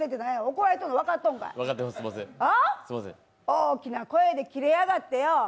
大きな声でキレやがってよ。